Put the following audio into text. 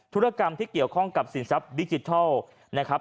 ธุรกรรมที่เกี่ยวข้องกับสินทรัพย์ดิจิทัลนะครับ